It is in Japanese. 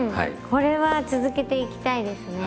これは続けていきたいですね。